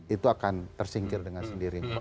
itu akan tersingkir dengan sendirinya